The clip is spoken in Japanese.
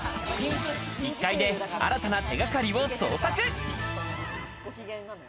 １階で新たな手掛かりを捜索。